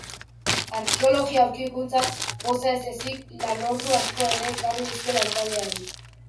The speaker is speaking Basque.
Arkeologia aurkikuntzak, poza ez ezik, lanordu asko ere ekarri dizkio lantaldeari.